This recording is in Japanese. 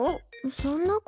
そんな事。